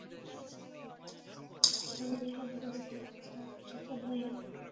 বাজারসংশ্লিষ্ট ব্যক্তিরা এটিকে মূল্য সংশোধন হিসেবে অভিহিত করছেন।